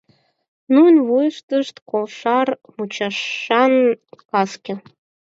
Нунын вуйыштышт кошар мучашан каске.